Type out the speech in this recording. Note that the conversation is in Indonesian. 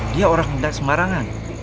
dia orang orang dan semarangan